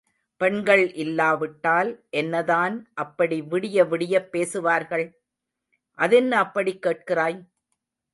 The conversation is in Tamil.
பெண்கள் இல்லாவிட்டால் என்னதான் அப்படி விடிய விடியப் பேசுவார்கள்? அதென்ன அப்படிக் கேட்கிறாய்?